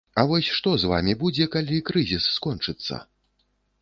А вось што з вамі будзе, калі крызіс скончыцца?